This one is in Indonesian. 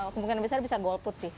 kemungkinan besar bisa golput sih